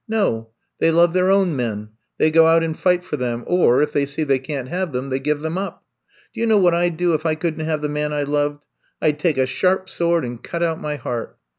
No ! They love their own men. They go out and fight for them, or, if they see they can't have them, they give them up. Do you know what I 'd do if I could n't have the man I loved — ^I 'd take a sharp sword and cut out my heart.''